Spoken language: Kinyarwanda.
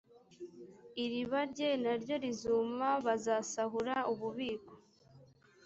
iriba rye na ryo rizuma bazasahura ububiko